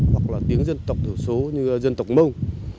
hoặc là tiếng dân tộc thiểu số như dân tộc mông